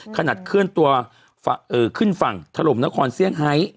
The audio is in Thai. ขนาดเคลื่อนตัวขึ้นฝั่งถล่มนครเซี่ยงไฮ